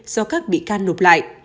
do các bị can nộp lại